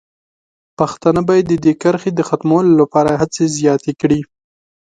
پښتانه باید د دې کرښې د ختمولو لپاره هڅې زیاتې کړي.